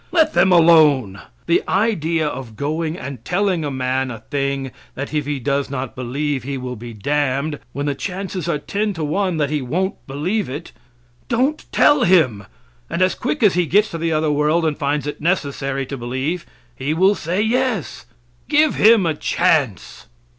Let them alone. The idea of going and telling a man a thing that if he does not believe he will be damned, when the chances are ten to one that he won't believe it. Don't tell him, and as quick as he gets to the other world and finds it necessary to believe, he will say "yes." Give him a chance.